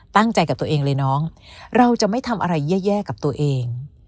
ตั้งใจกับตัวเองเลยน้องเราจะไม่ทำอะไรแย่กับตัวเอง